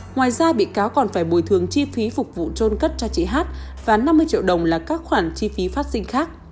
ngoài ra bị cáo còn phải bồi thường chi phí phục vụ trôn cất cho chị hát và năm mươi triệu đồng là các khoản chi phí phát sinh khác